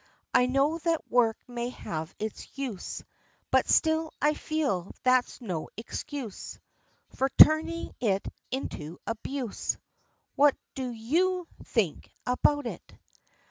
I know that work may have its use, But still I feel that's no excuse For turning it into abuse; What do you think about it?